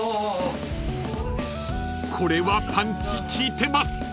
［これはパンチ効いてます］